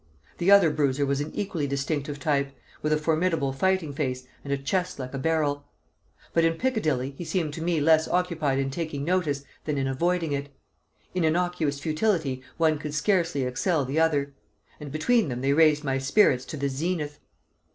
The other bruiser was an equally distinctive type, with a formidable fighting face and a chest like a barrel; but in Piccadilly he seemed to me less occupied in taking notice than in avoiding it. In innocuous futility one could scarcely excel the other; and between them they raised my spirits to the zenith.